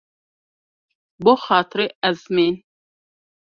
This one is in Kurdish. Ji bo xatirê ezmên.